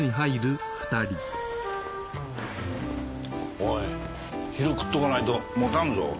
おい昼食っとかないともたんぞ。